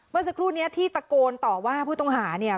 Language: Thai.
เมื่อสักครู่นี้ที่ตะโกนต่อว่าผู้ต้องหาเนี่ย